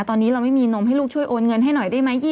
ตอนนี้เราไม่มีนมให้ลูกช่วยโอนเงินให้หน่อยได้ไหม